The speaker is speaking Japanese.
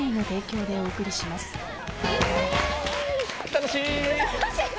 楽しい！